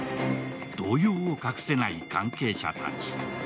動揺を隠せない関係者たち。